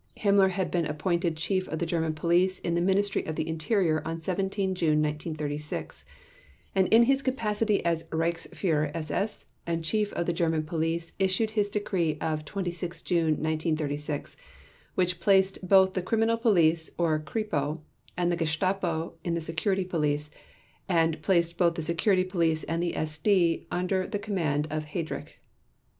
Himmler had been appointed Chief of the German Police in the Ministry of the Interior on 17 June 1936, and in his capacity as Reichsführer SS and Chief of the German Police issued his decree of 26 June 1936, which placed both the Criminal Police, or Kripo, and the Gestapo in the Security Police, and placed both the Security Police and the SD under the command of Heydrich.